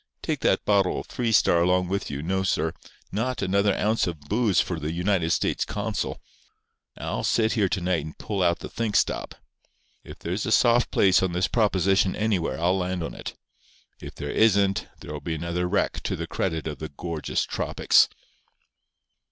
Take that bottle of Three star along with you—no, sir; not another ounce of booze for the United States consul. I'll sit here to night and pull out the think stop. If there's a soft place on this proposition anywhere I'll land on it. If there isn't there'll be another wreck to the credit of the gorgeous tropics."